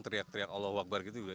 teriak teriak allahu akbar gitu juga